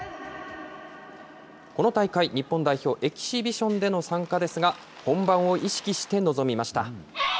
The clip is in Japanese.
この大会、日本代表、エキシビションでの参加ですが、本番を意識して臨みました。